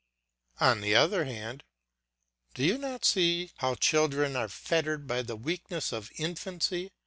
On the other hand, do you not see how children are fettered by the weakness of infancy?